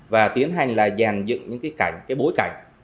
và tiến hành là dàn dựng những cái bối cảnh